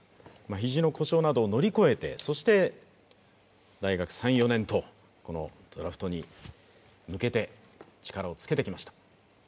肘の故障などを乗り越えてそして、大学３・４年とドラフトに向けて力をつけてきました。